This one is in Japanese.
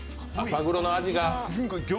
マグロの味が。